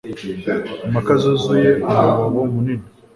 Impaka zuzuye umwobo munini.